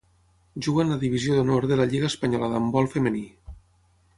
Juga en la Divisió d'Honor de la Lliga espanyola d'handbol femení.